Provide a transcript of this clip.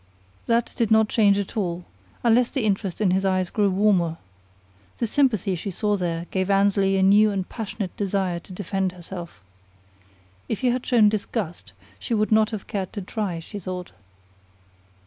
That did not change at all, unless the interest in his eyes grew warmer. The sympathy she saw there gave Annesley a new and passionate desire to defend herself. If he had shown disgust, she would not have cared to try, she thought.